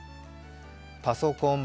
パソコン